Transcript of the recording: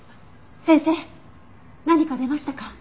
先生何か出ましたか？